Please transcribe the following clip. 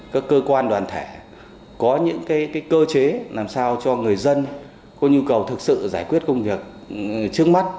các cơ quan đoàn thể có những cơ chế làm sao cho người dân có nhu cầu thực sự giải quyết công việc trước mắt